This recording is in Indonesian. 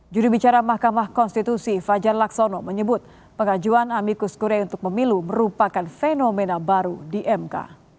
juri bicara mahkamah konstitusi fajar laksono menyebut pengajuan amikus kure untuk pemilu merupakan fenomena baru di mk